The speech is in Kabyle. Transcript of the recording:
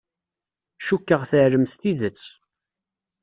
Cukkeɣ teɛlem s tidet.